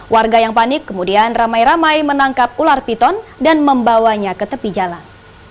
warga yang panik kemudian ramai ramai menangkap ular piton dan membawanya ke tepi jalan